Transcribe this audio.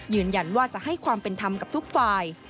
ยืนยันว่าจะให้ความเป็นธรรมกับทุกฝ่าย